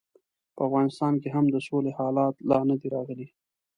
په افغانستان کې هم د سولې حالت لا نه دی راغلی.